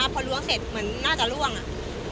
พอล้วงเสร็จเหมือนน่าจะล่วงอ่ะ